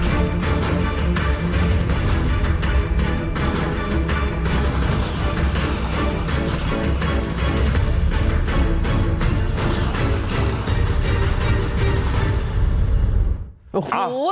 โอ้โฮ